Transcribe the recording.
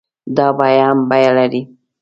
دا بيه هم بيه لري.